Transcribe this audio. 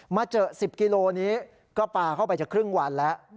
มาเจอ๑๐กิโลนี้ก็ปลาเข้าไปจะครึ่งวันแล้ว